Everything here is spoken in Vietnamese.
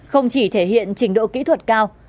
không chỉ thể hiện trình độ kỹ thuật cao